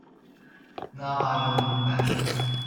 Now I’ll look back.